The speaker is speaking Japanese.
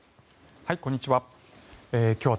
こんにちは。